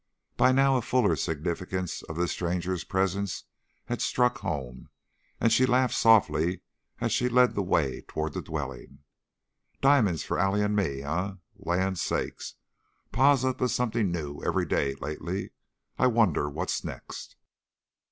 By now a fuller significance of this stranger's presence had struck home and she laughed softly as she led the way toward the dwelling. "Di'mon's for Allie and me, eh? Land sakes! Pa's up to something new every day, lately. I wonder what next."